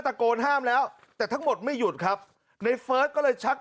ตะโกนห้ามแล้วแต่ทั้งหมดไม่หยุดครับในเฟิร์สก็เลยชัก